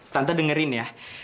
tante dengerin ya